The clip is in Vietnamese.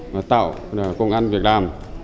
và tạo công an việc làm